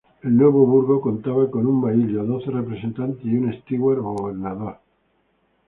El nuevo burgo contaba con un bailío, doce representantes y un "steward" o gobernador.